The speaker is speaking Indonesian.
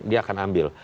dia akan ambil